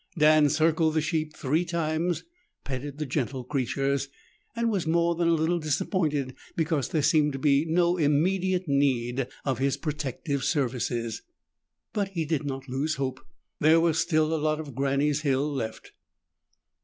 Dan circled the sheep three times, petted the gentle creatures, and was more than a little disappointed because there seemed to be no immediate need of his protective services. But he did not lose hope, there was still a lot of Granny's hill left.